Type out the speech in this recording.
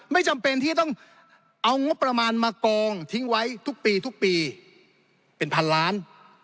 ไม่จำเป็นที่ต้องเอางบประมาณมากองทิ้งไว้ทุกปีทุกปีเป็นพันล้าน